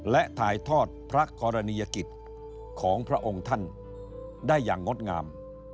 และถ่ายทอดพระกรณียกิจของพระองค์ท่านได้อย่างงดงาม